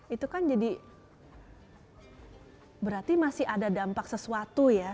itu kan jadi berarti masih ada dampak sesuatu ya